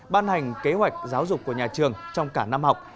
ban hành kế hoạch giáo dục của nhà trường trong cả năm học